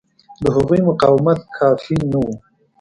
د هغوی مقاومت کافي نه و.